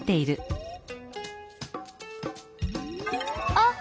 あっ！